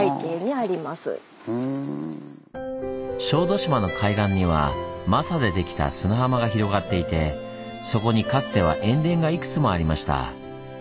小豆島の海岸にはマサでできた砂浜が広がっていてそこにかつては塩田がいくつもありました。